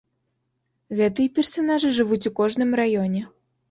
Гэтыя персанажы жывуць у кожным раёне.